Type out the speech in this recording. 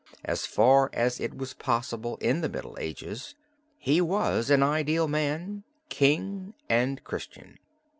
As far as it was possible in the Middle Ages, he was an ideal man, king, and Christian."